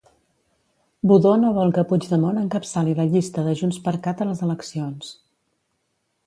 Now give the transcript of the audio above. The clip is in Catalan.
Budó no vol que Puigdemont encapçali la llista de JxCat a les eleccions.